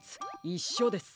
いっしょです。